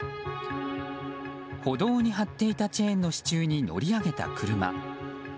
歩道に張っていたチェーンの支柱に乗り上げた車。